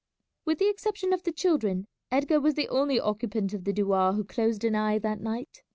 With the exception of the children Edgar was the only occupant of the douar who closed an eye that night.